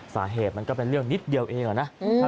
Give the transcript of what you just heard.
สาเหตุมันก็เป็นเรื่องนิดเดียวเองอะนะ